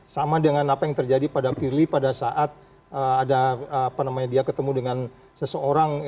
sama dengan apa yang terjadi pada pirly pada saat ada dia ketemu dengan seseorang